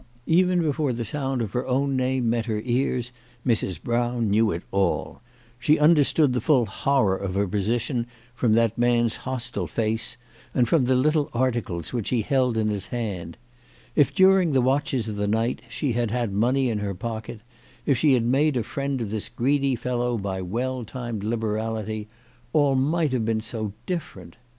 Even before the sound of her own name met her ears Mrs. Brown knew it all. She understood the full horror of her position from that man's hostile face, and from the little article which he held in his hand. If during the watches of the night she had had money in her pocket, if she had made a friend of this greedy CHRISTMAS AT THOMPSON HALL. 235 fellow by well timed liberality, all might have been so different !